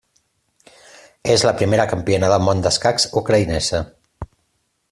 És la primera campiona del món d'escacs ucraïnesa.